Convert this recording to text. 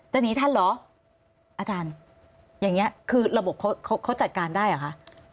หนีทันเหรออาจารย์อย่างนี้คือระบบเขาเขาจัดการได้เหรอคะ